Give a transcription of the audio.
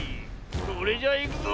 それじゃいくぞ。